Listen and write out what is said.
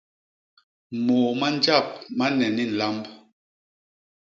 Môô ma njap ma nne ni nlamb.